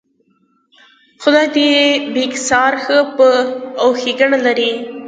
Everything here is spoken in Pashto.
خدای دې بېکسیار ښه او په ښېګړه لري.